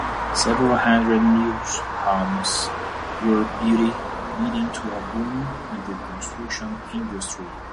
Several hundred new homes were built, leading to a boom in the construction industry.